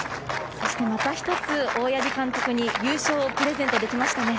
そして、また１つ大八木監督に優勝をプレゼントできましたね。